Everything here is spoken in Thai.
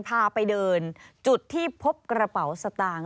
พาไปเดินจุดที่พบกระเป๋าสตางค์